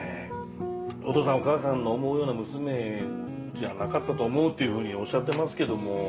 お父さんお母さんの思うような娘じゃなかったと思うっていうふうにおっしゃってますけども。